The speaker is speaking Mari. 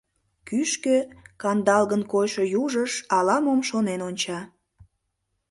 Кӱшкӧ, кандалгын койшо южыш, ала-мом шонен онча.